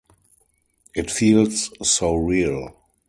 It feels so real!